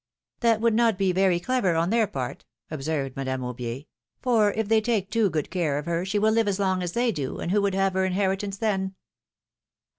'^ That would not be very clever on their part," observed Madame Aubier, 'Yor if they take too good care of her, she will live as long as they do, and who would have her inheritance then?"